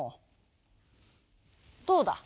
どうだ。